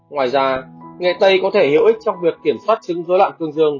ngoài ra nghệ tây có thể hữu ích trong việc kiểm soát chứng dối loạn cương dương